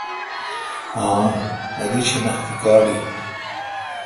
اؘ مہ دی شناختی کارڈ این۔